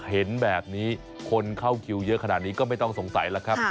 เห็นแบบนี้คนเข้าคิวเยอะขนาดนี้ก็ไม่ต้องสงสัยแล้วครับ